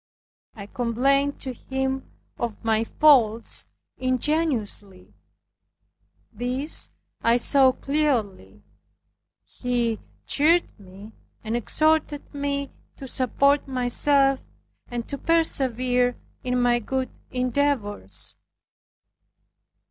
I complained to him of my faults ingenuously. These I saw clearly. He cheered and exhorted me to support myself, and to persevere in my good endeavors.